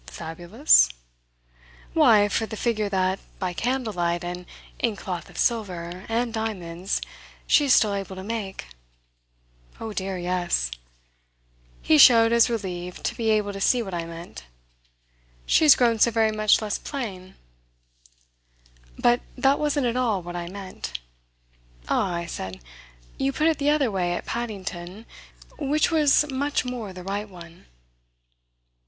"'Fabulous'?" "Why, for the figure that, by candle light and in cloth of silver and diamonds, she is still able to make." "Oh dear, yes!" He showed as relieved to be able to see what I meant. "She has grown so very much less plain." But that wasn't at all what I meant. "Ah," I said, "you put it the other way at Paddington which was much more the right one."